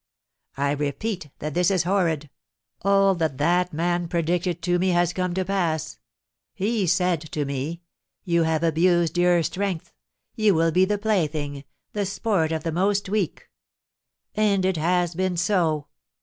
I repeat that this is horrid! All that that man predicted to me has come to pass; he said to me, 'You have abused your strength, you will be the plaything, the sport of the most weak.' And it has been so.